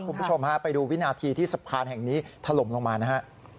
คุณผู้ชมฮะไปดูวินาทีที่สะพานแห่งนี้ถล่มลงมานะฮะ